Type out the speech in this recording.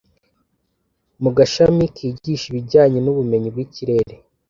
mu gashami kigisha ibijyanye n’ubumenyi bw’ikirere